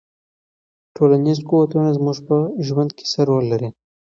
ټولنیز قوتونه زموږ په ژوند کې څه رول لري؟